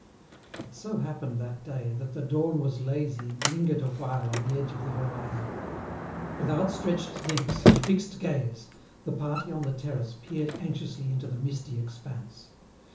It so happened that day that the dawn was lazy and lingered awhile on the edge of the horizon. With outstretched necks and fixed gaze, the party on the terrace peered anxiously into the misty expanse.